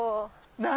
何？